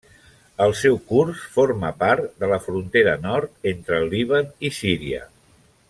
El seu curs forma part de la frontera nord entre el Líban i Síria.